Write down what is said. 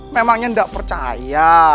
memangnya tidak percaya